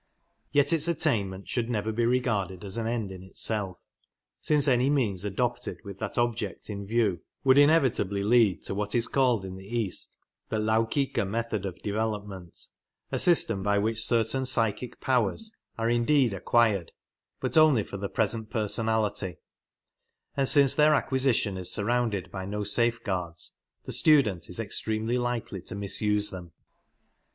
Yet its attainment should never be regarded as an end in it3elf, since any means adopted with that object in view would inevitably lead to what is called in the East the laukika method of development — a system by which certain psychic powers are indeed acquired, but only for the present personality ; and since their acquiisitjon is sur rounded by no safeguards, the student is extremely likely to misuse them.